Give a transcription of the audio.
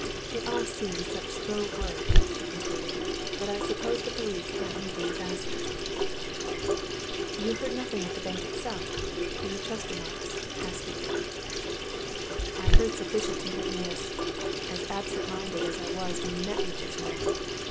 "It all seems such slow work," she concluded, "but I suppose the police can't move any faster." "You heard nothing at the bank itself from the Chestermarkes?" asked the Earl. "I heard sufficient to make me as as absent minded as I was when you met me just now!